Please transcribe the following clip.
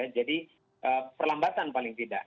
jadi perlambatan paling tidak